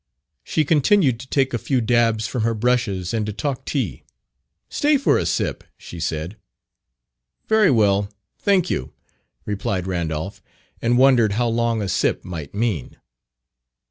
She continued to take a few dabs from her brushes and to talk tea. "Stay for a sip," she said. "Very well; thank you," replied Randolph, and wondered how long "a sip" might mean.